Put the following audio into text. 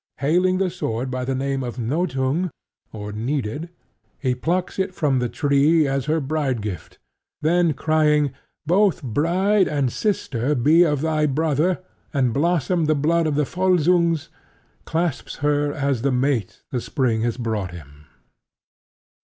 Hailing the sword by the name of Nothung (or Needed), he plucks it from the tree as her bride gift, and then, crying "Both bride and sister be of thy brother; and blossom the blood of the Volsungs!" clasps her as the mate the Spring has brought him.